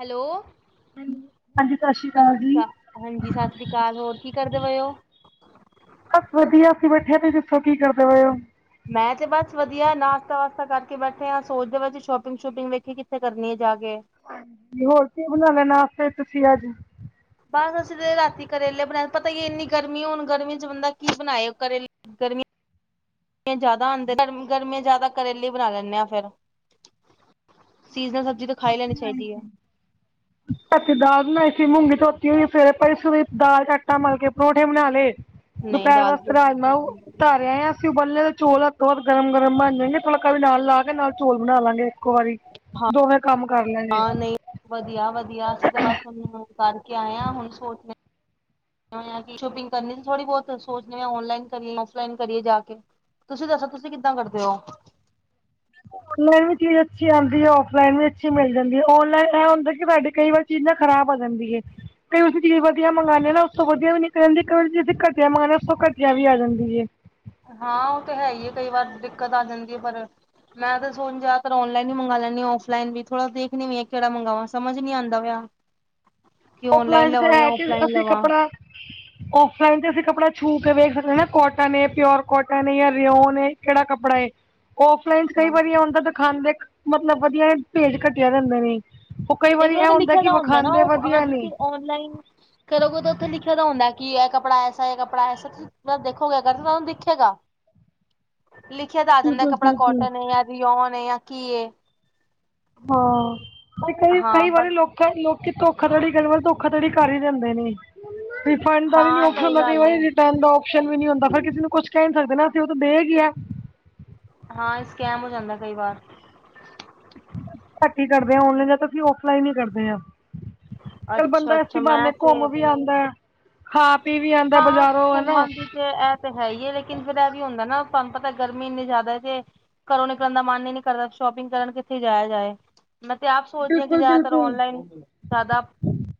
Hello ਹਾਂਜੀ ਸਤਿ ਸ਼੍ਰੀ ਸਤਿ ਸ਼੍ਰੀ ਅਕਾਲ, ਹਾਂਜੀ ਸਤਿ ਸ਼੍ਰੀ ਅਕਾਲ ਹੋਰ ਕੀ ਕਰਦੇ ਪਏ ਔ ਬਸ ਵਧੀਆ ਅਸੀਂ ਬੈਠੇ ਆ ਤੁਸੀ ਦੱਸੋ ਕੀ ਕਰਦੇ ਪਏ ਹੋ ਮੈਂ ਤੇ ਬਸ ਵਧੀਆ ਨਾਸ਼ਤਾ-ਵਾਸਤਾ ਕਰਕੇ ਬੈਠੇ ਆ ਸੋਚਦੇ ਪਏ ਸੀ ਸ਼ੋਪਿੰਗ ਸੁਪਿੰਗ ਵੇਖੀ ਕਿੱਥੇ ਕਰਨੀ ਹੈ ਜਾ ਕੇ ਨੀ ਹੋਰ ਕੀ ਬਨਾਨਾ ਨਾਸਤੇ ਵਿਚ ਤੁਸੀ ਅੱਜ ਬਸ ਅਸੀ ਤੇ ਰਾਤੀ ਕਰੇਲੇ ਬਨਾਏ ਪਤਾ ਕੀ ਇੰਨੀ ਗਰਮੀ ਹੁਣ ਗਰਮੀ ਚ ਬੰਦਾ ਕੀ ਬਨਾਏ ਕਰੇਲੇ ਗਰਮੀ ਤੇ ਜਾਂਦਾ ਆਦੇ ਗਰਮੀ ਜਿਆਦਾ ਕਰੇਲੀ ਬਣਾ ਲੈਂਦੇ ਆ ਫੇਰ ਸੀਜ਼ਨਲ ਸਬਜ਼ੀ ਤੇ ਖਾ ਲੈਨੀ ਚਾਇਦੇ ਏ। ਅਸੀਂ ਦਾਲ ਬਣਾਈ ਸੀ ਮੂੰਗੀ ਧੋਤੀ ਹੋਈ ਉਹ ਸਵੇਰੇ ਪਈ ਹੋਈ ਸੀ। ਉਹੀ ਦਾਲ ਚ ਆਟਾ ਮਲ ਕੇ ਪਰੌਂਠੇ ਬਣਾ ਲਏ। ਨਹੀਂ ਦੁਪਹਿਰ ਦਾਲ ਵਾਸਤੇ ਰਾਜਮਾਂ ਧਰ ਆਇਆ ਏ ਅਸੀਂ ਉੱਬਲਨੇ ਤੇ ਚੋਲ। ਬਹੁਤ ਗਰਮ-ਗਰਮ ਬਨ ਜਾਣਗੇ। ਫੁੱਲਕਾ ਵੀ ਨਾਲ ਲਾ ਕੇ ਨਾਲ ਚੌਲ਼ ਬਣਾ ਲਾਂਗੇ ਇੱਕੋ ਵਾਰੀ। ਦੋਵੇਂ ਕੰਮ ਕਰ ਲਾਗੇ। ਵਧੀਆ-ਵਧੀਆ ਅਸੀ ਤੇ ਬਸ ਹੁਣ ਉਹਨੂੰ ਕਰਕੇ ਆਏ ਆ ਹੁਣ ਸੋਚ। ਮੈਂ ਅਸੀਂ ਸ਼ੋਪਿੰਗ ਕਰਨੀ ਸੀ ਥੋੜੀ ਬਹੌਤ ਸੋਚ ਰਹੇ ਆ ਔਨਲਾਈਨ ਕਰੀਏ, ਔਫਲਾਈਨ ਕਰੀਏ ਜਾ ਕੇ। ਤੁਸੀ ਦੱਸੋ ਤੁਸੀਂ ਕਿੱਦਾਂ ਕਰਦੇ ਹੋ? ਮੈਂ ਵੀ ਕਈ ਵਾਰ ਚੀਜ਼ ਅੱਛੀ ਆਉਂਦੀ ਏ ਔਫਲਾਈਨ ਵੀ ਅੱਛੀ ਮਿਲ ਜਾਂਦੀ ਏ ਔਨਲਾਈਨ ਇਹ ਹੁੰਦਾ ਕਿ ਸਾਡੇ ਕਈ ਵਾਰ। ਚੀਜ਼ ਨਾ ਖ਼ਰਾਬ ਆਂ ਜਾਂਦੀ ਏ ਕਈ ਵਾਰ ਅਸੀਂ ਚੀਜ਼ ਵਧੀਆ ਮੰਗਾਂਦੇ ਨਾ ਉਸ ਤੋਂ ਵਧੀਆਂ ਵੀ ਨਿਕਲ਼ ਜਾਂਦੀ ਏ। ਕਈ ਵਾਰ ਅਸੀਂ ਘਟੀਆ ਮੰਗਾਉਦੇ ਉਸ ਤੋਂ ਘਟੀਆ ਵੀ ਆ ਜਾਂਦੀ ਏ ਹਾਂ ਉਹ ਤੇ ਹੈ ਹੀ ਹੈ ਕਈ ਵਾਰ ਦਿੱਕਤ ਆ ਜਾਂਦੀ ਏ ਪਰ। ਮੈਂ ਤਾਂ ਸੂਟ ਜ਼ਿਆਦਤਰ ਔਨਲਾਈਨ ਹੀ ਮੰਗ ਲੈਂਦੀ ਆ ਔਫ ਲਾਈਨ ਵੀ ਥੋੜਾ ਦੇਖਦੀ ਵੀ ਆ ਕਿਹੜਾ ਮੰਗਵਾਵਾ ਸਮਝ ਨੀ ਆਦਾ ਪਇਆ। ਔਫਲਾਈਨ ਤੇ ਹੈ ਕੇ ਔਫਲਾਈਨ ਅਸੀਂ ਲਵਾਂ ਕੱਪੜਾ ਔਫਲਾਈਨ ਤੇ ਅਸੀ ਕੱਪੜਾ ਛੂਹ ਕੇ ਵੇਖਦੇ ਆ ਨਾ ਕੋਟਨ ਏ, ਪਿਓਰ ਕੋਟਨ, ਜਾਂ ਰਿਓਨ ਏ, ਕਿਹੜਾ ਕੱਪੜਾ ਏ। ਔਫਲਾਈਨ 'ਚ ਕਈ ਹਾਂ ਵਾਰੀ ਇਹ ਹੁੰਦਾ ਦਿਖਾਦੇ ਮਤਲਬ ਵਧੀਆ ਏ ਭੇਜ ਘੱਟਿਆ ਦਿੰਦੇ ਨੇ। ਉਹ ਕਈ ਵਾਰੀ ਲੇਕਿਨ ਇਹ ਤੇ ਹੁੰਦਾ ਲਿਖਿਆ ਕਿ ਤਾਂ ਨਾ ਵਿਖਾਂਦੇ ਉਹ ਵੱਕਤ ਅਗਰ ਤੁਸੀਂ ਔਨਲਾਈਨ ਕਰੋਗੇ ਤਾਂ ਉੱਥੇ ਲਿਖਿਆ ਤਾਂ ਹੁੰਦਾ ਕਿ ਇਹ ਕੱਪੜਾ ਐਸਾ ਹੈ, ਇਹ ਕੱਪੜਾ ਐਸਾ। ਤੁਸੀਂ ਦੇਖੋਗੇ ਅਗਰ ਤਾਨੂੰ ਦੇਖੇਗਾ। ਲਿਖਿਆ ਤਾਂ ਆ ਜਾਂਦਾ ਬਿਲਕੁਲ ਕੱਪੜਾ ਬਿਲਕੁਲ ਕੋਟਨ ਏ ਜਾਂ ਰਿਓਨ ਏ ਜਾਂ ਕੀ ਏ। ਹਾਂ, ਪਰ ਹਾਂ ਕਈ-ਕਈ ਬਟ ਵਾਰੀਂ ਲੋਕੀਂ। ਪਰ ਲੋਕੀਂ ਧੋਖਾਧੜੀ ਕਰਨ ਵਾਲੇ ਧੋਖਾਧੜੀ ਕਰ ਹੀ ਦਿੰਦੇ ਨੇ। ਰਿਫੰਡ ਦਾ ਵੀ ਨਹੀਂ ਹਾਂ ਸਹੀ ਓਪਸ਼ਨ ਗੱਲ ਉਹਨੇ ਏ ਦੇ ਰਿਟਰਨ ਦਾ। ਓਪਸ਼ਨ ਵੀ ਨੀ ਹੁੰਦਾ। ਫੇਰ ਕਿਸੇ ਨੂੰ ਕੁਛ ਕਹਿ ਨੀ ਸਕਦੇ ਨਾ ਅਸੀਂ, ਉਹ ਤਾਂ ਦੇ ਗਿਆ। ਹਾਂ ਸਕੈਮ ਹੋ ਜਾਂਦਾ ਕਈ ਵਾਰ। ਘੱਟ ਹੀ ਕਰਦੇ ਹਾਂ ਔਨਲਾਈਨ, ਜਾਦਾ ਤਾਂ ਅਸੀਂ ਔਫਲਾਈਨ ਹੀ ਕਰਦੇ ਹਾਂ। ਚੱਲ ਬੰਦਾ ਅੱਛਾ ਅੱਛਾ ਐਸੀ ਬਹਾਨੇ ਮੈਂ ਤੇ ਘੁੰਮ ਵੀ ਆਉਂਦਾ ਐ। ਖਾ- ਪੀ ਵੀ ਆਉਂਦਾ ਹਾਂ ਬਜ਼ਾਰੋਂ, ਹਨਾ। ਘੁੰਮਣ ਦੀ ਤੇ ਇਹ ਤਾਂ ਹੈ ਹੀ ਹੈ, ਲੇਕਿਨ ਫੇਰ ਇਹ ਵੀ ਹੁੰਦਾ ਨਾ ਤੁਹਾਨੂੰ ਪਤਾ ਗਰਮੀ ਇੰਨੀ ਜ਼ਿਆਦਾ ਤੇ। ਘਰੋਂ ਨਿਕਲਣ ਦਾ ਮਨ ਹੀ ਨੀ ਕਰਦਾ ਸ਼ੋਪਿੰਗ ਕਰਨ ਕਿੱਥੇ ਜਾਇਆ ਜਾਏ। ਮੈਂ ਤੇ ਆਪ ਸੋਚਦੀ ਹਾਂ, ਕਿ ਬਿਲਕੁਲ ਜ਼ਿਆਦਾਤਰ ਬਿਲਕੁਲ ਔਨਲਾਈਨ ਜ਼ਿਆਦਾ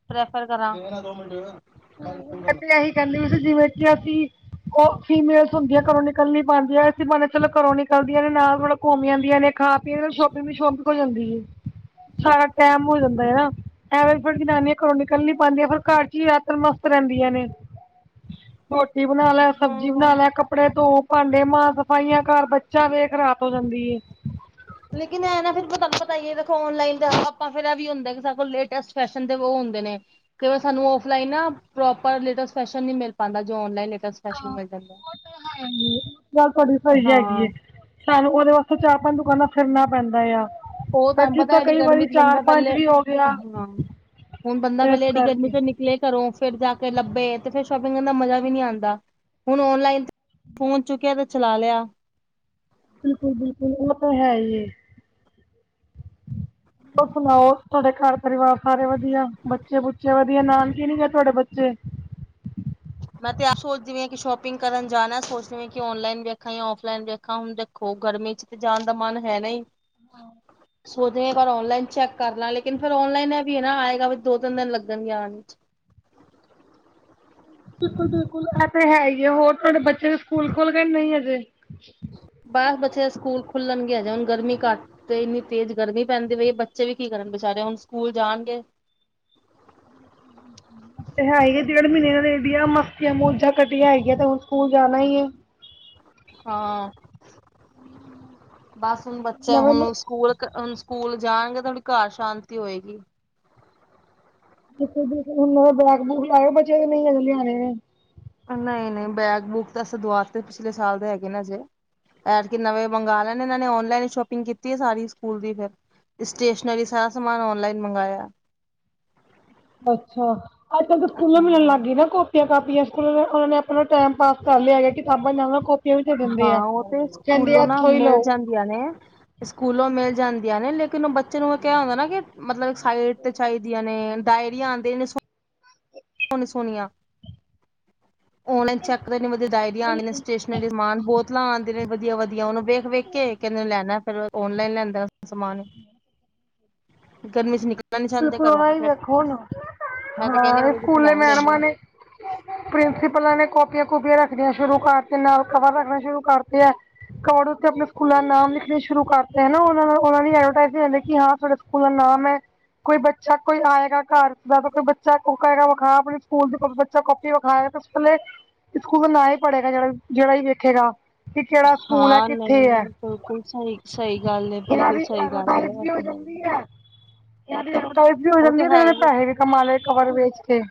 ਪ੍ਰੈਫਰ ਕਰਾਂ। ਹੂੰ, ਮੈਂ ਤੇ ਇਹੀ ਕਹਿੰਦੀ ਸੀ, ਜਿਵੇਂ ਕਿ ਅਸੀਂ ਉਹ ਫੀਮੇਲਸ ਹੁੰਦੀਆਂ ਘਰੋਂ ਨਿਕਲਣੀ ਨਹੀਂ ਪਾਉਂਦੀਆਂ ਐਸੀ ਬਹਾਨੇ ਚਲੋ ਘਰੋਂ ਨਿਕਲਦੀਆਂ ਨੇ ਨਾਲ ਮਤਲਬ ਘੁੰਮ ਆਉਂਦੀਆਂ ਨੇ ਖਾ ਫੇਰ ਓਸ ਸ਼ੋਪਿੰਗ ਵੀ ਸ਼ੋਪਿੰਗ ਹੋ ਜਾਂਦੀ ਹੈ। ਸਾਰਾ ਟਾਈਮ ਹੋ ਜਾਂਦਾ ਹੈ ਆ ਐਵੇ ਫੇਰ ਜਨਾਨੀਆਂ ਘਰੋਂ ਨਿਕਲ ਨੀ ਪਾਉਂਦੀਆਂ ਫੇਰ ਘਰ 'ਚ ਹਾ। ਫੇਰ ਮਸਤ ਰਹਿੰਦੀਆਂ ਨੇ ਰੋਟੀ ਬਣਾ ਲੈ, ਸਬਜ਼ੀ ਬਣਾ ਹਮ ਲੈ, ਕੱਪੜੇ ਧੋ। ਭਾਂਡੇ ਮਾਂਜ, ਸਫ਼ਾਈਆਂ ਕਰ, ਬੱਚਾ ਦੇੇਖ ਰਾਤ ਹੋ ਜਾਂਦੀ ਹੈ। ਲੇਕਿਨ ਇਹ ਨਾ ਫੇਰ ਤੁਹਾਨੂੰ ਪਤਾ ਹੀ ਦੇਖੋ ਔਨਲਾਈਨ ਤੇ ਆਪਾਂ ਫੇਰ ਇਹ ਵੀ ਹੁੰਦਾ ਕਿ ਸਾਥੋ ਲੇਟੇਸਟ ਫੈਸ਼ਨ ਦੇ ਉਹ ਹੁੰਦੇ ਨੇ। ਕਈ ਵਾਰ ਸਾਨੂੰ ਔਫਲਾਈਨ ਨਾ ਪ੍ਰੋਪਰ ਲੇਟੈਸਟ ਫੈਸ਼ਨ ਨਹੀਂ ਮਿਲ ਪਾਉਂਦਾ ਜੋ ਔਨਲਾਈਨ ਲੇਟੈਸਟ ਫੈਸ਼ਨ ਮਿਲ ਜਾਂਦਾ। ਹਾਂਜੀ ਗੱਲ ਤੁਹਾਡੀ ਸਹੀ ਹੈਗੀ ਹਾਂ ਏ। ਸਾਨੂੰ ਉਹਦੇ ਵਾਸਤੇ ਚਾਰ-ਪੰਜ ਦੁਕਾਨਾਂ ਫਿਰਨਾ ਪੈਂਦਾ ਆਂ। ਉਹ ਤੁਹਾਨੂੰ ਪਤਾ ਐਡੀ ਗਰਮੀ 'ਚ ਬੰਦਾ ਪਹਿਲੇ, ਵੀ ਹੋ ਗਿਆ ਹਾਂ। ਹੁਣ ਬੰਦਾ ਇਸ ਪਹਿਲੇ ਐਨੀਂ ਗਰਮੀ ਕਰਕੇ 'ਚੋ, ਨਿਕਲੇ ਘਰੋਂ ਫੇਰ ਜਾ ਕੇ ਲੱਭੇ ਤੇ ਫੇਰ ਸ਼ੋਪਿੰਗ ਕਰਨ ਦਾ ਮਜ਼ਾ ਵੀ ਨਹੀਂ ਆਉਂਦਾ, ਹੁਣ ਔਨਲਾਈਨ। ਫ਼ੋਨ ਚੁੱਕਿਆ ਤੇ ਚਲਾ ਲਿਆ। ਬਿਲਕੁਲ- ਬਿਲਕੁਲ ਉਹ ਤਾਂ ਹੈ ਹੀ ਹੈ। ਹੋਰ ਸੁਣਾਓ ਤੁਹਾਡੇ ਘਰ ਪਰਿਵਾਰ ਸਾਰੇ ਵਧੀਆ? ਬੱਚੇ- ਬੁੱਚੇ ਵਧੀਆ ਨਾਨਕੇ ਨੀ ਗਏ ਤੁਹਾਡੇ ਬੱਚੇ? ਮੈਂ ਤੇ ਆਪ ਸੋਚਦੀ ਪਈ ਹਾਂ, ਕਿ ਸ਼ੋਪਿੰਗ ਕਰਨ ਜਾਣਾ ਸੋਚਦੀ ਪਿ ਹਾਂ, ਕਿ ਔਨਲਾਈਨ ਵੇਖਾ ਜਾਂ ਔਫਲਾਈਨ ਵੇਖਾ ਹੁਣ ਦੇ- ਖੋ ਗਰਮੀ 'ਚ ਤੇ ਜਾਣ ਦਾ ਮਨ ਹੈ ਨਹੀਂ। ਆਹ। ਸੋਚਦ ਪਿ ਆ ਇਕ ਵਾਰ ਔਨਲਾਈਨ ਚੈੱਕ ਕਰ ਲਾਂ ਲੇਕਿਨ ਫੇਰ ਔਨਲਾਈਨ ਐਵੀ ਹੈ ਨਾ ਆਏਗਾ ਵੀ ਦੋ- ਤਿੰਨ ਦਿਨ ਲੱਗਣ ਗੇ ਆਣ ਵਿਚ। ਬਿਲਕੁਲ- ਬਿਲਕੁਲ ਐ ਤੇ ਹੈ ਹੀ ਹੈ, ਹੋਰ ਤੁਹਾਡੇ ਬੱਚੇ ਵੀ ਸਕੂਲ ਖੁਲ ਗਏ ਨੀ ਅਜੇ। ਬਸ ਬੱਚੇ ਦਾ ਸਕੂਲ ਖੁੱਲਣਗੇ ਹਜੇ ਹੁਣ ਗਰਮੀ ਘੱਟ ਤੇ ਇੰਨੀ ਤੇਜ਼ ਗਰਮੀ ਪੈਂਦੀ ਬਈ ਬੱਚੇ ਵੀ ਕੀ ਕਰਨ ਬੇਚਾਰੇ ਹੁਣ ਸਕੂਲ ਜਾਣਗੇ। ਹੂੰ-ਹੂੰ। ਤੇ ਹੈ ਈ ਐ ਡੇਢ ਮਹੀਨੇ ਐਡੀਆਂ ਮਸਤੀਆਂ ਮੋਜਾਂ ਕੱਟੀਆਂ ਹੈਗੀਆਂ ਤੇ ਹੁਣ ਸਕੂਲ ਜਾਣਾ ਈ ਐ। ਹਾਂ, ਬਸ ਹੁਣ ਬੱਚਾ ਨਵੇਂ ਹੁਣ ਸਕੂਲ ਹੁਣ ਸ- ਸਕੂਲ ਜਾਣਗੇ ਥੋੜੀ ਘਰ ਸ਼ਾਂਤੀ ਹੋਏਗੀ। ਜੇ ਤੁ ਹੁਣ ਉਹ ਦਾ ਬੈਗ- ਬੂਗ ਲਾਇਓ ਬੱਚੇ ਦੇ ਨਹੀਂ ਅਜੇ ਲਿਆਣੇ ਨੇ। ਨਹੀਂ- ਨਹੀਂ ਬੈਗ- ਬੂਗ ਤਾਂ ਅਸੀਂ ਦਵਾਤੇ ਪਿਛਲੇ ਸਾਲ ਦੇ ਹੈਗੇ ਨੇ ਹਜੇ। ਐੈਦਕਿ ਨਵੇਂ ਮੰਗਾ ਲੈਣੇ ਇਹਨਾਂ ਨੇ ਔਨਲਾਈਨ ਈ ਸ਼ੋਪਿੰਗ ਕੀਤੀ ਹੈ ਸਾਰੀ ਸਕੂਲ ਦੀ ਫੇਰ। ਸਟੇਸ਼ਨਰੀ ਸਾਰਾ ਸਮਾਨ ਔਨਲਾਈਨ ਮੰਗਾਇਆ। ਅੱਛਾ, ਅੱਜ -ਕੱਲ ਤਾਂ ਸਕੁਲ ਮਿਲਣ ਹਾਂ ਲੱਗ ਗਈ ਨਾ ਕੋ ਤੇ ਕਾਪੀਆਂ ਸਕੂਲ ਉਹਨਾਂ ਨੇ ਆਪਣਾ ਟਾਈਮ ਪਾਸ ਕਰ ਲਿਆ ਗਿਆ ਕਿਤਾਬਾਂ ਨਾਲ ਕਿ ਤੇ ਦਿੰਦੇ ਆ, ਹਾਂ ਉਹ ਤੇ ਕਹਿੰਦੇ ਆ ਸਕੂਲੋਂ ਨਾ ਏਥੋਂ ਹੀ ਮਿਲ ਲਓ। ਜਾਂਦੀਆਂ ਨੇ ਸਕੂਲੋਂ ਮਿਲ ਜਾਂਦੀਆਂ ਨੇ, ਲੇਕਿਨ ਉਹ ਬੱਚੇ ਬੱਚੇ ਨੂੰ ਕਿਹਾ ਹੁੰਦਾ ਨਾ ਕਿ ਮਤਲਬ ਸਾਈਟ ਤੇ ਚਾਹੀਦੀਆਂ ਨੇ, ਡਾਇਰੀਆਂ ਆਉਂਦੀਆ ਨੇ ਸੋ ਸੋਣੀਆਂ ਓਨਲਾਈਨ ਚੈੱਕ ਡਇਰੀ ਆਉਣੀਆ ਸਟੇਸਨ ਰੀ। ਪਹਿਲੇ ਸਮਾਨ ਬੋਤਲਾਂ ਆਉਂਦੇ ਨੇ ਵਧੀਆ- ਵਧੀਆ ਉਹਨੂੰ ਵੇਖ ਵੇਖ ਕੇ ਕਹਦੇ ਲੈਣਾ ਫਿਰ ਔਨਲਾਈਨ ਲੈਂਦਾ ਸਮਾਨ ਗਰਮੀ ਚ ਨਿਕਲ। ਬਿਲਕੁਲ ਓਨਾ ਹੀ ਦੇਖੋ ਹੁਣ ਮੈਂ ਤਾਂ ਕਹਿੰਦੀ ਹਾਂ ਵੀ ਜਿੱਥੇ ਸਕੂਲੇ ਲੈਣ ਲੈ ਮੈਡਮਾਂ ਲਓ ਨੇ। ਪ੍ਰਿੰਸੀਪਲਾਂ ਨੇ ਕਾਪੀਆਂ- ਕੂਪੀਆਂ ਰੱਖਣੀਆਂ ਸ਼ੁਰੂ ਕਰਤੀ ਨਾਲ ਕਵਰ ਰੱਖਨੇ ਸ਼ੁਰੂ ਕਰਤੇ ਆ। ਕੋਡ ਉੱਤੇ ਆਪਣੇ ਸਕੂਲ ਦਾ ਨਾਮ ਲਿਖਣੇ ਸ਼ੁਰੂ ਕਰਤੇ ਹਨਾ, ਉਹਨਾਂ ਨਾਲ ਉਹਨਾਂ ਦੀ ਐਡਵਰਟਾਈਜ਼ ਕਿ ਹਾਂ ਸਾਡੇ ਸਕੂਲ ਦਾ ਨਾਮ ਐ। ਕੋਈ ਬੱਚਾ, ਕੋਈ ਆਏਗਾ ਘਰ ਦਾ ਕੋਈ ਬੱਚਾ ਵੱਖਾ ਆਪਣੀ, ਸਕੂਲ ਬੱਚਾ ਕਾਪੀ ਵਿਖਾਇਆੇਲੇ, ਸਕੂਲ ਦਾ ਨਾਂ ਹੀ ਪੜ੍ਹੇਗਾ ਜਿਹੜਾ ਹੀ ਵਖੇਗਾ। ਕਿ ਕਿਹੜਾ ਸਕੂਲ ਐ ਹਾਂ ਕਿੱਥੇ ਨਹੀਂ ਏ, ਨਹੀਂ ਬਿਲਕੁਲ ਸਹੀ ਸਹੀ ਗੱਲ ਹੈ ਏਨਾ ਬਿਲਕੁਲ ਸਹੀ ਗੱਲ ਨੇਐਡਰਟਾਈਜ਼ਮੈਂਟ ਹੈ ਉਹ ਕੀਤੀ ਤੇ ਹੈ ਹੋਈ ਆ। ਐਡਵਰਟਾਈਜ਼ਮੈਂਟ ਵੀ ਹੀ ਹੋ ਜਾਂਦੀ ਹੈ, ਤੇ ਇਹਨਾਂ ਨੇ ਪੈਸੇ ਵੀ ਕਮਾ ਲਏ ਕਵਰ ਵੇਚ ਕੇ।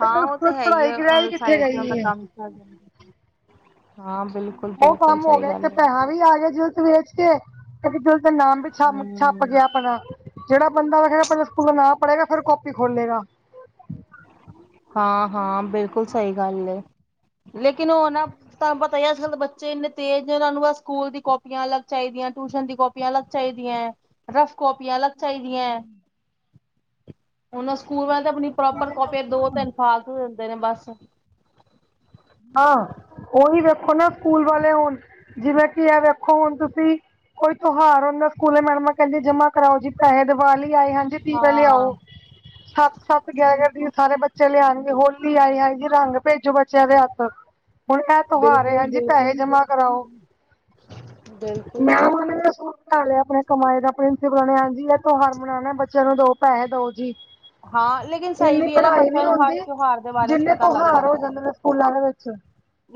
ਹਾਂ ਫਿਰ ਉਸ ਉਹ ਤੋਂ ਤੇ ਬਾਅਦ ਹੈ ਹੀ ਪੜ੍ਹਾਈ ਆ, ਕੀ ਰਹਿ ਉਹ ਕਿੱਥੇ ਸਾਈਡ ਤੇ ਉਹ ਗਈ ਹੈ ਕੰਮ ਕਰ। ਉਹ ਕੰਮ ਹੋ ਗਿਆ, ਇੱਕ ਤੇ ਗੱਲ ਹੈ। ਪੈਸਾਂ ਵੀ ਆ ਗਿਆ, ਜਿਲਤ ਵੇਚ। ਤੇ ਉਸਦਾ ਨਾਮ ਵੀ ਛਪ- ਛਪ ਹੂੰ ਗਿਆ ਆਪਣਾ। ਜਿਹੜਾ ਬੰਦਾ ਸਕੂਲ ਨਾਂ ਪੜੇਗਾ, ਫਿਰ ਕਾਪੀ ਖੋਲ੍ਹੇਗਾ। ਹਾਂ- ਹਾਂ ਬਿਲਕੁਲ ਸਹੀ ਐ ਗੱਲ, ਲੇਕਿਨ ਉਹ ਨਾ ਤਹਾਨੂੰ ਪਤਾ ਹੀ ਅੱਜ ਕੱਲ੍ਹ ਦੇ ਬੱਚੇ ਇੰਨੇ ਤੇਜ਼ ਨੇ, ਉਹਨਾਂ ਨੂੰ ਸਕੂਲ ਦੀ ਕਾਪੀਆਂ ਅਲੱਗੱ ਚਾਹੀਦੀਆਂ, ਟਿਊਸ਼ਨ ਦੀ ਕਾਪੀਆਂ ਕਾਪੀਆਂ ਅਲੱਗ ਚਾਹੀਦੀਆਂ ਹੈ, ਰਫ ਕਾਪੀਆਂ ਅਲੱਗ ਚਾਹੀਦੀਆਂ ਏ, ਉਹਨਾਂ ਸਕੂਲ ਵਾਲੇ ਆਪਣੀ ਪ੍ਰੋਪਰ ਕਾਪੀ ਦੋ ਤਿੰਨ ਫਾਲਤੂ ਦਿੰਦੇ ਨੇ ਬਸ। ਹਾਂ ਉਹੀ ਵੇਖੋ ਨਾ ਸਕੂਲ ਵਾਲੇ ਹੁਣ ਜਿਵੇਂ ਕਿ ਆ ਵੇਖੋ ਹੁਣ ਤੁਸੀਂ ਕੋਈ ਤਿਉਹਾਰ ਹੁੰਦਾ, ਸਕੂਲੇ ਮੈਡਮਾਂ ਕਹਿੰਦੀ ਜਮਾਂ ਕਰਾਓ ਜੀ। ਦੀਵਾਲੀ ਆਏ ਹਾਂਜੀ ਦੀਵੇ ਹਾਂ ਲਿਆਓ ਸੱਤ- ਸੱਤ ਗਿਆ ਕਰਦੀ ਬਿਲਕੁਲ ਸਾਰੇ ਬੱਚੇ ਚਲੇ ਆਣਗੇ ਹੋਲੀ ਆਈ ਏ, ਜੀ ਰੰਗ ਭੇਜੋ ਬੱਚਿਆਂ ਦੇ ਹੱਥ। ਹੁਣ ਏ ਤਿਓਹਾਰ ਆ ਬਿਲਕੁਲ ਜੀ, ਪੈਸੇ ਬਿਲਕੁਲ ਜਮਾ ਕਰਾਓ। ਬਿਲਕੁਲ ਮੈਡਮ ਨੇ ਏ ਅਸੂਲ ਬਣਾ ਲਿਆ, ਆਪਣੀ ਕਮਾਈ ਦਾ ਪ੍ਰਿੰਸੀਪਲ ਨੇ ਹਾਂਜੀ ਇਹ ਤਿਉਹਾਰ ਮਨਾਉਣਾ ਬੱਚਿਆਂ ਨੂੰ ਦੋ ਪੈਸੇ ਦੋ ਜੀ। ਹਾਂ ਲੇਕਿਨ ਸਹੀ ਇੰਨੀ ਵੀ ਹੈ ਨਾ ਪੜ੍ਹਾਈ ਬੱਚਿਆਂ ਨਹੀਂ ਨੂੰ ਹਰ ਹੁੰਦੀ, ਤਿਉਹਾਰ ਦੇ ਬਾਰੇ ਚ ਜਿੰਨੇ ਪਤਾ ਲੱਗ ਤਿਉਹਾਰ ਹੋ ਜਾਂਦਾ। ਜਾਂਦੇ ਨੇ ਸਕੂਲਾਂ ਦੇ ਵਿੱਚ।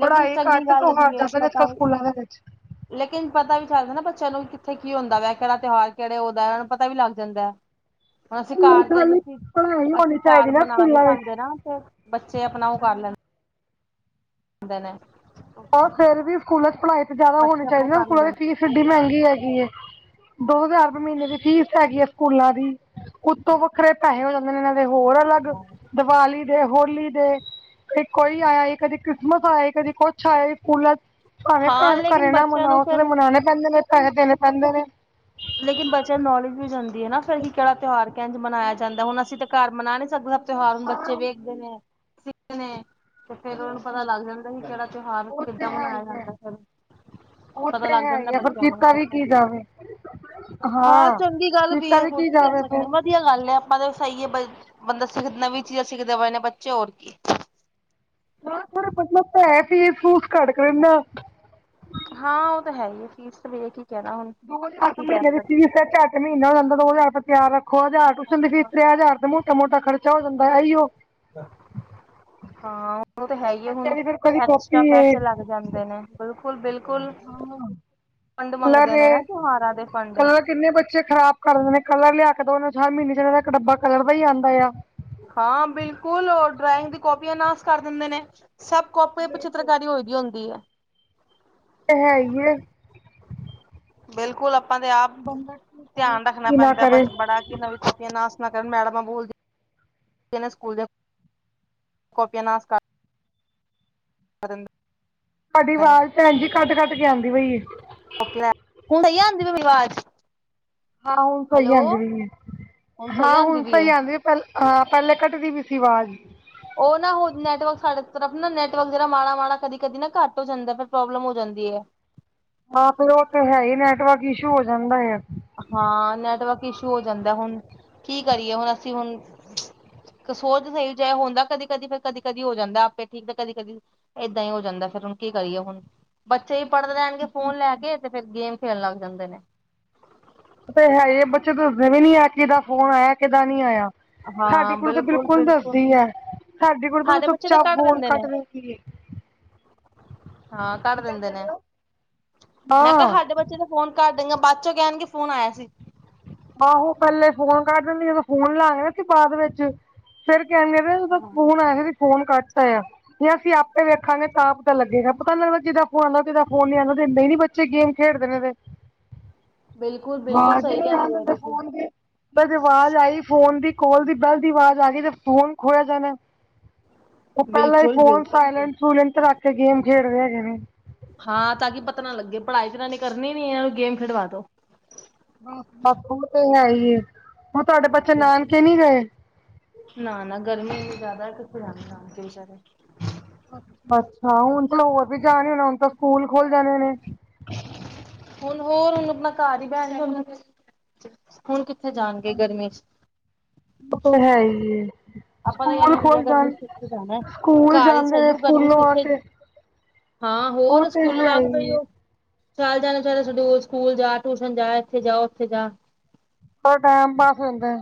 ਲੇਕਿਨ ਚੰਗੀ ਘੱਟ ਗੱਲ ਤਿਉਹਾਰ ਵੀ ਹੈ ਜਿਆਦਾ, ਅੱਜ ਪਤਾ -ਕੱਲ੍ਹ ਵੀ ਸਕੂਲਾਂ ਦੇ ਵਿੱਚ। ਲੇਕਿਨ ਪਤਾ ਵੀ ਚੱਲਦਾ ਨਾ ਬੱਚਿਆਂ ਨੂੰ ਕਿੱਥ ਕੀ ਹੁੰਦਾ ਵਾ, ਕਿਹੜਾ ਤਿਉਹਾਰ, ਕਿਹੜੇ ਉ ਹੁੰਦਾ ਹੈ, ਉਹ ਨੂੰ ਪਤਾ ਵੀ ਲੱਗ ਜਾਂਦਾ ਹੈ। ਹੁਣ ਅਸੀਂ ਇੰਨੀ ਕਾਲਜ ਖਾਲੀ ਵਿੱਚ ਪੜ੍ਹਾਈ ਅਸੀਂ ਹੋਣੀ ਘ ਚਾਹੀਦੀ ਨਾ ਰਮਨਾ ਨ ਹੀ ਸਕੂਲਾਂ ਵਿੱਚ ਮਨ ਆਨਹੀਸਕਦ੍ਹੇ। ਬੱਚੇ ਆਪਣਾ ਉਹ ਕਰ ਲੈਂਦੇ ਦੇਂਦੇ ਨੇ। ਉਹ ਫਿਰ ਵੀ ਸਕੂਲਾਂ ਚ ਪੜ੍ਹਾਈ ਜਿਆਦਾ ਹੋਣੀ ਬੱਚੇ ਆਪਣਾ ਚਾਹੀਦੀ ਨਾ, ਕਰ ਸਕੂਲਾਂ ਲੈਂਦੇ ਦੀ ਨੇ ਫੀਸ ਇਨੀ ਮਹਿੰਗੀ ਹੈਗੀ ਏ, ਦੋ ਹਜ਼ਾਰ ਰੁਪਏ ਮਹੀਨੇ ਦੀ ਫੀਸ ਹੈਗੀ ਹੈ, ਸਕੂਲਾਂ ਦੀ ਉੱਤੋਂ ਵੱਖਰੇ ਪੈਸੇ ਹੋਰ ਹੋ ਜਾਂਦੇ ਨੇ ਇਹਨਾਂ ਦੇ ਹੋਰ ਅਲੱਗ, ਦਿਵਾਲੀ ਦੇ ਹੋਲੀ ਦੇ ਕਦੇ ਕੋਈ ਆਇਆ ਈ, ਕਦੇ ਕ੍ਰਿਸਮਸ ਆਇਆ ਈ, ਕਦੇ ਕੁਛ ਆਇਆ ਈ ਸਕੂਲਾਂ ਚ ਭਾਵੇਂ ਹਾਂ ਘਰ ਲੇਕਿਨ -ਘਰੇ ਨਾ ਬੱਚਿਆਂ ਨੂੰ ਮਨਾਉ, ਉੱਥੇ ਤੇ ਫਿਰ ਮਨਾਣੇ ਪੈਂਦੇ ਨੇ ਪੈਸੇ ਦੇਣੇ ਪੈਂਦੇ ਨੇ। ਲੇਕਿਨ ਬੱਚਿਆਂ ਨੂੰ ਨੌਲੇਜ ਵੀ ਜਾਂਦੀ ਹੈ ਨਾ, ਫਿਰ ਕਿਹੜਾ ਤਿਉਹਾਰ ਕਹਿਣ ਮਨਾਇਆ ਜਾਂਦਾ, ਹੁਣ ਅਸੀਂ ਤੇ ਘਰ ਮਨਾ ਨਹੀਂ ਸਕਦੇ। ਤਿਉਹਾਰ ਨੂੰ ਬੱਚੇ ਵੇਖਦੇ ਨੇ, ਸਿੱਖਦੇ ਨੇ ਤੇ ਫੇਿਰ ਉਹਨਾ ਨੂੰ ਪਤਾ ਲੱਗ ਜਾਂਦਾ, ਵੀ ਕਿਹੜਾ ਤਿਉਹਾਰ ਕਿੱਦਾਂ ਮਨਾਇਆ ਜਾਂਦਾ ਫਿਰ ਉਹ ਪਤਾ ਤੇ ਲੱਗ ਹੈ ਜਾਂਦਾ ਹੀ ਆ ਫਿਰ ਬੱਚਿਆਂ ਨੂੰ ਕੀਤਾ ਵੀ ਦੇਖੋ ਕੀ ਜਾਵੇ ਹਾਂ। ਚੰਗੀ ਗੱਲ ਵੀ ਹੈ, ਹੋਰ ਕੀ ਕਹਿ ਸਕਦੇ ਹਾਂ? ਵਧੀਆ ਗੱਲ ਐ। ਆਪਾਂ ਤਾਂ ਸਹੀ ਏ, ਬ ਬੰਦਾ ਸਿੱਖ ਨਵੀਂ ਚੀਜ਼ਾਂ ਸਿੱਖਦੇ ਪਏ ਨੇ ਬੱਚੇ ਹੋਰ ਕੀ ਨਾ ਥੋੜੇ ਮਤਲਬ ਭੈ ਫੇਸ ਫੂਸ ਘੱਟ ਕਰਨਾ ਹਾਂ, ਉਹ ਤਾਂ ਹੈ ਹੀ ਹੈ। ਚੀਜ਼ ਤਾਂ ਵੇਖ ਦੋ ਹਜ਼ਾਰ ਤਾਂ ਮਹੀਨੇ ਦੀ ਫੀਸ ਹੈ ਮਹੀਨਾ ਹੋ ਜਾਂਦਾ, ਦੋ ਹਜ਼ਾਰ ਰੁਪਇਆ ਤਿਆਰ ਰੱਖੋ, ਹਜ਼ਾਰ ਟਿਊਸ਼ਨ ਫੀਸ ਤੇ ਹਜ਼ਾਰ ਮੋਟਾ ਮੋਟਾ ਖਰਚਾ ਹੋ ਜਾਂਦਾ, ਇ ਹੀ ਓ ਹਾਂ। ਉਹ ਤਾਂ ਹੈ ਹੀ ਬੱਚਿਆਂ ਹੁਣ, ਦੀ ਫਿਰ ਕਦੀ ਕਾਪੀ ਐਕਸਟਰਾ ਏ ਪੈਸੇ ਲੱਗ ਜਾਂਦੇ ਨੇ। ਬਿਲਕੁਲ-ਬਿਲਕੁਲ‌। ਫੰਡ ਕਲਰ ਮੰਗਦੇ ਏ ਨੇ ਨਾ, ਤਿਉਹਾਰਾਂ ਦੇ ਫੰਡ ਕਲਰ ਕਿੰਨੇ ਬੱਚੇ ਖ਼ਰਾਬ ਕਰਦੇ ਨੇ, ਕਲਰ ਲਿਆ ਕੇ ਤਾਂ ਉਹਨਾਂ ਹਰ ਮਹੀਨੇ ਚ ਇਹਨਾਂ ਦਾ ਇੱਕ ਡੱਬਾ ਕਲਰ ਦਾ ਹੀ ਆਉਂਦਾ ਆ ਹਾਂ, ਬਿਲਕੁਲ ਉਹ ਡਰਾਇੰਗ ਦੀ ਕਾਪੀਆਂ ਨਾਸ ਕਰ ਦਿੰਦੇ ਨੇ ਸਭ ਕਾਪੀ ਚਿੱਤਰਕਾਰੀ ਹੋਈ ਦੀ ਹੁੰਦੀ ਹੈ। ਤੇ ਹੈ ਹੀ ਆ ਬਿਲਕੁਲ ਆਪਾਂ ਤੇ ਆਪ ਧਿਆਨ ਰੱਖਣਾ ਕੀ ਨਾ ਪੈਂਦਾ ਬ ਕਰੇ ਬੜਾ ਕੀ ਨਵੀਂ ਕਾਪੀਆਂ ਨਾਸ ਨਾ ਕਰਨ, ਮੈਡਮਾਂ ਬੋਲਦੀਆਂ ਨੇ ਸਕੂਲ ਕਾਪੀਆਂ ਨਾਸ ਕਰ ਦਿੰਦੇ ਤੁਹਾਡੀ ਨੇ ਆਵਾਜ਼ ਭੈਣਜੀ, ਕੱਟ- ਕੱਟ ਕੇ ਆਂਦੀ ਪਈਏ। ਲੈ, ਹੁਣ ਸਹੀ ਆਉਦੀ ਪਈ ਆਵਾਜ਼ ਹਾਂ, ਹੁਣ ਸਹੀ ਹੈਲੋ ਆਉਂਦੀ ਪਈ ਹੈ, ਸਹੀ ਹਾਂ ਆਂਦੀ ਹੁਣ ਪਈ ਸਹੀ ਏ। ਆਉਂਦੀ ਪਹਿਲੇ ਹਾਂ, ਪਹਿਲੇ ਘੱਟ ਦੀ ਪਈ ਸੀ ਆਵਾਜ਼ ਉਹ ਨਾ, ਨੈਟਵਰਕ ਸਾਡੇ ਤਰਫ ਨਾ, ਨੈਟਵਰਕ ਜਿਹੜਾ ਮਾੜਾ- ਮਾੜਾ, ਕਦੀ ਕਦੀ ਨਾ ਘੱਟ ਹੋ ਜਾਂਦਾ। ਫਿਰ ਪ੍ਰੋਬਲਮ ਹੋ ਜਾਂਦੀ ਹੈ। ਹਾਂ, ਫਿਰ ਉਹ ਤੇ ਹੈ ਹੀ, ਨੈਟਵਰਕ ਇਸ਼ੂ ਹੋ ਜਾਂਦਾ ਹੈ। ਹਾਂ ਨੈਟਵਰਕ ਇਸ਼ੂ ਹੋ ਜਾਂਦਾ। ਹੁਣ ਕੀ ਕਰੀਏ? ਹੁਣ ਅਸੀਂ ਹੁਣ। ਸੋਚ ਸਹੀ ਚਾਹੇ ਹੁੰਦਾ ਕਦੀ- ਕਦੀ ਫਿਰਰ ਕਦੀ- ਕਦੀ ਹੋ ਜਾਂਦਾ ਆਪੇ ਠੀਕ ਤੇ ਕਦੀ- ਕਦੀ। ਏਦਾਂ ਹੀ ਹੋ ਜਾਂਦਾ ਫੇਿਰ ਹੁਣ ਕੀ ਕਰੀਏ ਹੁਣ? ਬੱਚੇ ਹੀ ਪੜ੍ਹਦੇ ਲੈਣਗੇ, ਫੋਨ ਲੈ ਕੇ ਤੇ ਫੇਿਰ ਗੇਮ ਖੇਣ ਲੱਗ ਜਾਂਦੇ ਨੇ ਇਹ ਤੇ ਹੈ ਇਹ ਬੱਚੇ ਦੱਸਦੇ ਵੀ ਨੀ ਆ, ਕਿਦਾ ਫੋਨ ਆਇਆ, ਕਿਹਦਾ ਨਹੀਂ ਆਇਆ? ਸਾਡੇ ਕੋਲ ਤਾਂ ਬਿਲਕੁਲ ਦੱਸਦੀ ਹੈ। ਸਾਡੀ ਕੁੜੀ ਤਾਂ ਸਾਡੇ ਚੁੱਪ ਬੱਚੇ ਚਾਪ ਕੱਢ ਫੋਨ ਦਿੰਦੇ ਨੇ ਕੱਟ ਦਿੰਦੀ ਐ। ਹਾਂ ਧਰ ਦਿੰਦੇ ਨੇ। ਮੈਂ ਕਿਹਾ ਹਾਂ ਸਾਡੇ ਬੱਚੇ ਬੱਚੇ ਦਾ ਫੋਨ ਕੱਟ ਦੇਣਗੇ, ਬਾਅਦ ਚੋਂ ਕਹਿਣਗੇ ਫੋਨ ਆਇਆ ਸੀ। ਆਹੋ ਪਹਿੱਲੇ ਫੋਨ ਕੱਟ ਦਿੰਦੀ ਆ। ਫਿਰ ਜਦੋਂ ਫੋਨ ਲਾਇਆ ਸੀ ਬਾਅਦ ਵਿੱਚ ਫੇਿਰ ਕਹਿਣਗੇ ਹਾਂ ਫੋਨ ਆਇਆ ਸੀ, ਫੋਨ ਕੱਟਤਾ ਆ ਆ। ਜੇ ਅਸੀਂ ਆਪੇ ਵੇਖਾਂਗੇ ਤਾਂ ਪਤਾ ਲੱਗੇਗਾ ਪਤਾ ਨੀ ਲਗਦਾ ਕਿਹਦਾ ਫੋਨ ਆਇਆ, ਕਿਹਦਾ ਫੋਨ ਨੀ ਆਉਦਾ। ਨਹ ਬੇ ਬੱਚੇ ਗੇਮ ਖੇਡਦੇ ਨੇ ਤੇ ਬਿਲਕੁਲ ਬਿਲਕੁਲ ਆਵਾਜ਼ ਈ ਸਹੀ ਨੀ ਕਹਿੰਦੇ ਆਉਣ ਪਏ ਦਿੰਦੇ ਤੁਸੀਂ ਫੋਨ ਦੀ। ਜੇ ਆਵਾਜ਼ ਆਈ ਫੋਨ ਦੀ, ਕੋਲ ਦੀ, ਬੈਲ ਦੀ ਆਵਾਜ਼ ਆ ਗਈ ਤੇ ਫੋਨ ਖੋਇਆ ਜਾਣਾ। ਉਹ ਪਹਿਲਾਂ ਹੀ ਬਿਲਕੁਲ ਫੋਨ ਬਿਲ ਸਾਇਲੈਂਟ ਸੂਈਲੈਂਟ ਰੱਖ ਕੇ ਗੇਮ ਖੇਡਦੇ ਹੈਗੇ ਨੇ। ਹਾਂ ਤਾਂ ਕਿ ਪਤਾ ਨਾ ਲੱਗੇ ਪੜ੍ਹਾਈ ਤੇ ਇਹਨਾਂ ਨੇ ਕਰਨੀ ਨੀ ਆ। ਇਹਨਾਂ ਨੂੰ ਗੇਮ ਖੇਡਵਾ ਦੋ। ਬਸ ਬਸ ਉਹ ਤੇ ਹੈ ਹੀ। ਹੁਣ ਤੁਹਾਡੇ ਬੱਚੇ ਨਾਨਕੇ ਨਹੀ ਗਏ? ਨਾ-ਨਾ ਗਰਮੀ ਇਨੀ ਜ਼ਿਆਦਾ ਕਿੱਥੇ ਜਾਣ ਬਚਾਰੇ? ਅੱਛਾ ਹੁਣ ਤਾਂਲ ਹੋਰ ਵੀ ਜਾਣੇ ਹੋਣਾ। ਹੁਣ ਤਾਂ ਸਕੂਲ ਖੁੱਲ ਜਾਣੇ ਨੇ। ਹੁਣ ਹੋਰ ਉਹਨੂੰ ਆਪਣਾ ਘਰ ਹੀ ਬੈਣ ਹੁਣ ਕਿੱਥੇ ਜਾਣਗੇ ਗਰਮੀਆਂ ਚ? ਮ ਹੈ [unintelligible] ਆਪਾਂ ਤਾਂ ਕਹਿਨੇ ਆ ਖੁੱਲ ਗਰਮੀ ਜਾਣ ਚ ਕਿੱਥੇ ਜਾਣਾ ਸਕੂਲ ਘਰ ਹੀ ਜਾਂਦੇ ਸਹੀ ਨੇ ਹੋ ਗਰਮੀ ਚ ਸਕੂਲੋਂ ਆ ਕਿੱਥੇ? ਕੇ ਹਾਂ ਉਹ ਹੋਰ ਤੇ ਸਕੂਲ ਹੈ ਵਗ ਤੋਂ ਹੀ ਉਹ। ਚਾਲ ਜਾਣ ਚ ਸਡ ਸਕੂਲ ਜਾ, ਟਿਊਸ਼ਨ ਜਾ ਇੱਥੇ ਜਾਓ ਉੱਥੇ ਜਾ [unintelligible] ਥੋੜਾ ਟੈਮ ਪਾਸ ਹੁਂਦਾ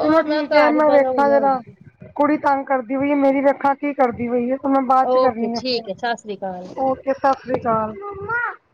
ਚਲੋ ਠੀਕ ਹੈ ਘਰ ਹੀ ਮੈਂ ਪੈਦਾ ਵੇਖਾਂ ਹੋਈ ਆ ਹੁਣ, ਜਰਾ। ਕੁੜੀ ਤੰਗ ਕਰਦੀ ਪਈ ਹੈ। ਮੇਰੀ ਵੱਖਾ ਕੀ ਕਰਦੀ ਪਈ ਏ ਮੈਂ ਬਾਅਦ ਚ ਓਕੇ ਕਰਨੀ ਆ ਠੀਕ 'ਫੋਨ' ਹੈ ਸਤਿ ਸ੍ਰੀ ਅਕਾਲ। ਓਕੇ ਸਤਿ ਸ੍ਰੀ ਅਕਾਲ।